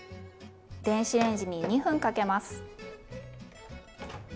電子レンジに２分かけます。